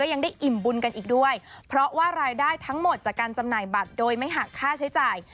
ยังได้อิ่มบุญกันอีกด้วยเพราะว่ารายได้ทั้งหมดจากการจำหน่ายบัตรโดยไม่หักค่าใช้จ่าย